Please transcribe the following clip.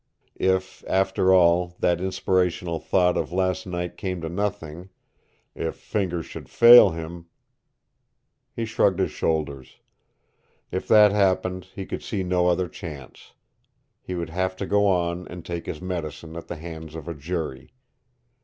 If, after all, that inspirational thought of last night came to nothing, if Fingers should fail him He shrugged his shoulders. If that happened, he could see no other chance. He would have to go on and take his medicine at the hands of a jury.